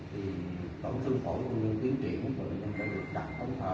thì tổng thương phổi cũng như tiến triển của bệnh nhân đã được đặt thống thở